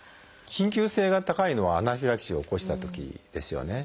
緊急性が高いのはアナフィラキシーを起こしたときですよね。